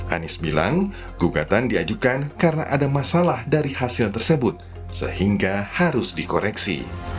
anies bilang gugatan diajukan karena ada masalah dari hasil tersebut sehingga harus dikoreksi